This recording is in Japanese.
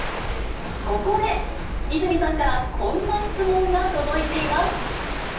そこで、イズミさんからこんな質問が届いています。